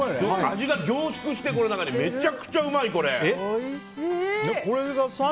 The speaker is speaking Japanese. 味が凝縮しててめちゃくちゃうまい、これ。